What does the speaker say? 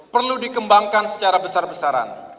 perlu dikembangkan secara besar besaran